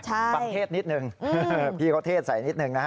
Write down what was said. บังเทศนิดนึง